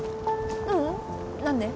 ううん。何で？